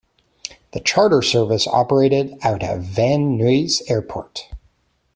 The charter service operated out of Van Nuys Airport.